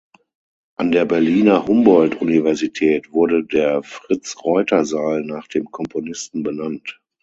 An der Berliner Humboldt-Universität wurde der Fritz-Reuter-Saal nach dem Komponisten benannt.